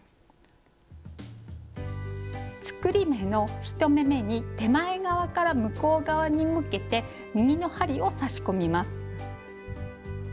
作り目の１目めに手前側から向こう側に向けて右の針を差し込みます。